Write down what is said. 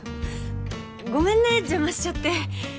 ごめんね邪魔しちゃって。